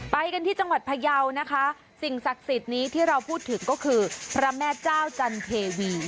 ไปกันที่จังหวัดพยาวนะคะสิ่งศักดิ์สิทธิ์นี้ที่เราพูดถึงก็คือพระแม่เจ้าจันเทวี